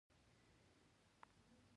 پیلوټ د انسان د فکر لوړوالی ښيي.